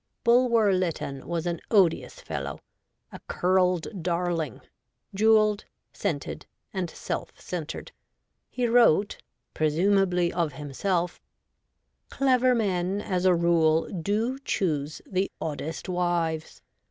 Bulwer Lytton was an odious fellow, a ' curled darling,' jewelled, scented, and self centred. He wrote, presumably of himself :' Clever men, as a rule, do choose the oddest wives.